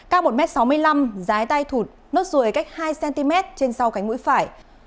các một m sáu mươi năm dái tay thụt nốt ruồi cách hai cm trên sau cánh mũi phải